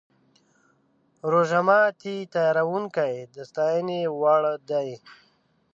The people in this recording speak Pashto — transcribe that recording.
روژه ماتي تیاروونکي د ستاینې وړ دي.